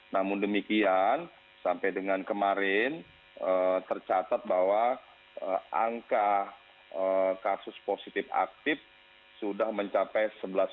namun demikian sampai dengan kemarin tercatat bahwa angka kasus positif aktif sudah mencapai sebelas dua ratus empat puluh lima